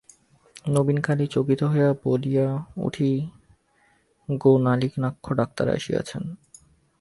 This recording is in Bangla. নবীনকালী চকিত হইয়া বলিয়া উঠি গো, নলিনাক্ষ ডাক্তার আসিয়াছেন।